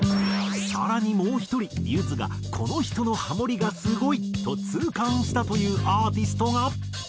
更にもう１人ゆずがこの人のハモリがすごいと痛感したというアーティストが。